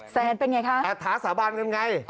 แซนเป็นอย่างไรคะอาถาสาบานกันไง